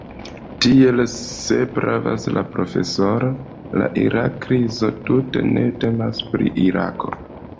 Tiel, se pravas la profesoro, la Irak-krizo tute ne temas pri Irako.